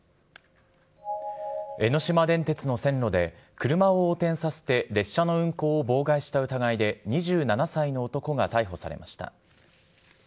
江ノ島電鉄の線路で、車を横転させて列車の運行を妨害した疑いで２７歳の男が逮捕されました。